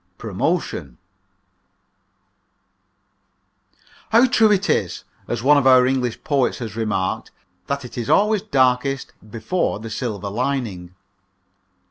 PROMOTION How true it is, as one of our English poets has remarked, that it is always darkest before the silver lining!